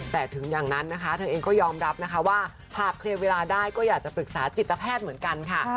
แต่ถึงอย่างนั้นนะคะเธอเองก็ยอมรับนะคะว่าหากเคลียร์เวลาได้ก็อยากจะปรึกษาจิตแพทย์เหมือนกันค่ะ